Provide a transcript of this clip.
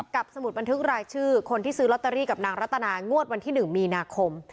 สมุดบันทึกรายชื่อคนที่ซื้อลอตเตอรี่กับนางรัตนางวดวันที่๑มีนาคม